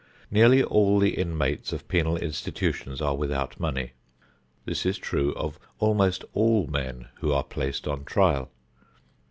Nearly all the inmates of penal institutions are without money. This is true of almost all men who are placed on trial.